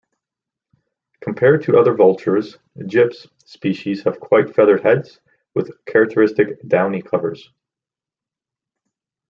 Compared to other vultures, "Gyps" species have quite feathered heads, with characteristic downy covers.